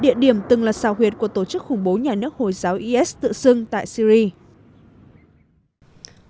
địa điểm từng là xào huyệt của tổ chức khủng bố nhà nước hồi giáo is tự xưng tại syri